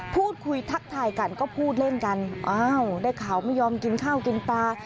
พูดคุยทักทายกันก็พูดเล่นกันอ้าวได้ข่าวไม่ยอมกินข้าวกินปลา